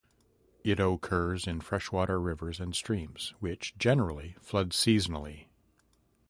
It occurs in freshwater rivers and streams, which generally flood seasonally.